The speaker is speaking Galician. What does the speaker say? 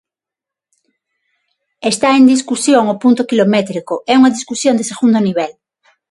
Está en discusión o punto quilométrico, é unha discusión de segundo nivel.